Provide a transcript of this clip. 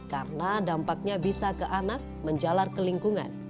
karena dampaknya bisa ke anak menjalar kelingkungan